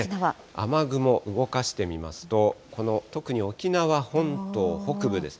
雨雲、動かしてみますと、この特に沖縄本島北部です。